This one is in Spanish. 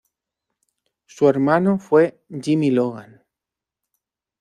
Su hermano fue Jimmy Logan.